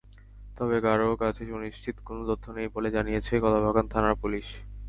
তবে কারও কাছে সুনিশ্চিত কোনো তথ্য নেই বলে জানিয়েছে কলাবাগান থানার পুলিশ।